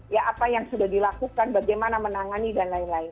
ya apa yang sudah dilakukan bagaimana menangani dan lain lain